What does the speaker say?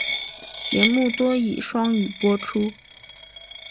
节目多以双语播出。